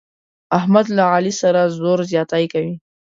احمد له علي سره زور زیاتی کوي.